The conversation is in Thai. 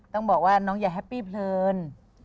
ต้องบอกว่าน้องอย่าแฮปปี้เพลิน